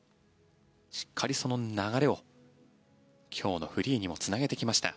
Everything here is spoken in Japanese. しっかりその流れを今日のフリーにもつなげてきました。